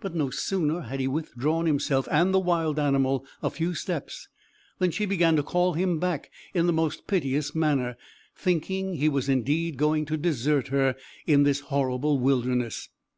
But no sooner had he withdrawn himself and the wild animal a few steps, than she began to call him back in the most piteous manner, thinking he was indeed going to desert her in this horrible wilderness.